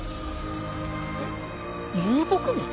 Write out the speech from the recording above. えっ遊牧民？